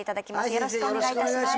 よろしくお願いいたします先生